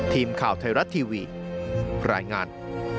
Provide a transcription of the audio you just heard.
ทีมข่าวไทยรัฐทีวีรายงาน